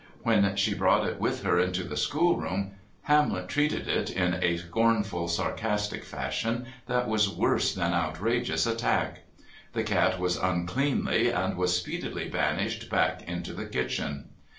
When she brought it with her into the schoolroom, Hamlet treated it in a scornful, sarcastic fashion that was worse than outrageous attack. The cat was uncleanly, and was speedily banished back into the kitchen.